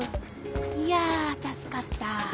いやたすかった。